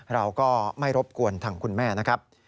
เราก็ไม่รบกวนทางคุณแม่นะครับ